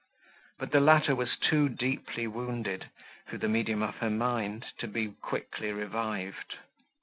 But the latter was too deeply wounded, through the medium of her mind, to be quickly revived.